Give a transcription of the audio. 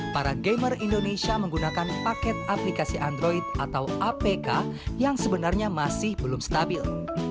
para gamer indonesia menggunakan paket aplikasi android atau apk yang sebenarnya masih belum stabil